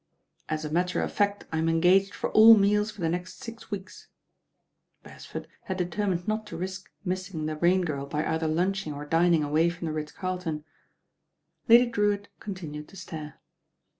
"As a matter of fact I am engaged for all meals for the next six weeks." Beresford had determined not to risk missing the Rain Girl by either lunching or dinmg away from the Ritz Carlton. Lady Drewitt continued to stare.